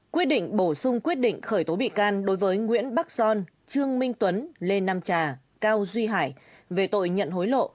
quyết định bổ sung quyết định khởi tố bị can đối với nguyễn bắc son trương minh tuấn lê nam trà cao duy hải về tội nhận hối lộ